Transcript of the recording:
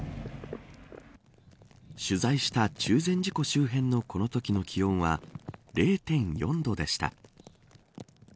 取材した中禅寺湖周辺のこのときの気温は０．４度でした。